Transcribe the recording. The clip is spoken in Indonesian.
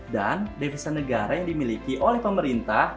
dan devisa negara yang dimiliki oleh pemerintah